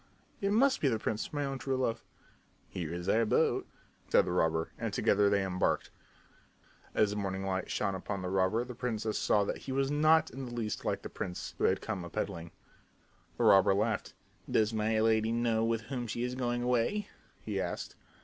"It must be the prince, my own true love." "Here is our boat," said the robber, and together they embarked. As the morning light shone upon the robber the princess saw that he was not in the least like the prince who had come a peddling. The robber laughed. "Does my lady know with whom she is going away?" he asked.